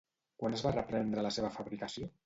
Quan es va reprendre la seva fabricació?